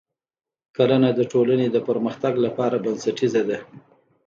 کرنه د ټولنې د پرمختګ لپاره بنسټیزه ده.